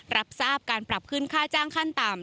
รับทราบการปรับขึ้นค่าจ้างขั้นต่ำ